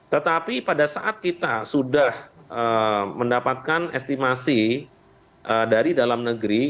tetapi pada saat kita sudah mendapatkan estimasi dari dalam negeri